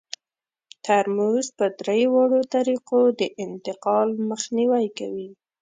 ترموز په درې واړو طریقو د انتقال مخنیوی کوي.